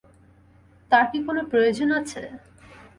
তার কি কোনো প্রয়োজন আছে?